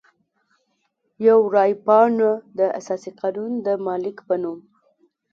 یوه رای پاڼه د اساسي قانون د مالک په نوم.